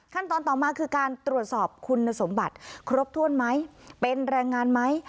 ต่อมาคือการตรวจสอบคุณสมบัติครบถ้วนไหมเป็นแรงงานไหม